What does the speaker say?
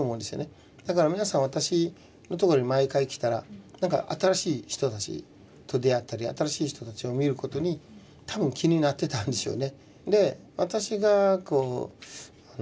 だから皆さん私のところに毎回来たら新しい人たちと出会ったり新しい人たちを見ることに多分気になってたんでしょうね。